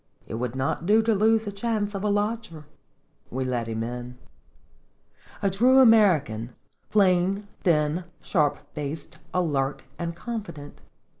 It would not do to lose a chance of a lodger. We let him in. A true American, plain, thin, sharp faced, alert, and confident.